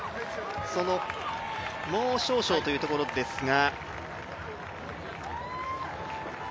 そのもう少々というところですが。